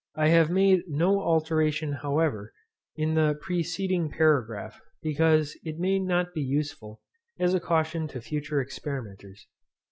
I have made no alteration, however, in the preceding paragraph, because it may not be unuseful, as a caution to future experimenters.